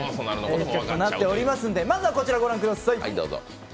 ゲームとなっておりますので、まずは、こちらをご覧ください。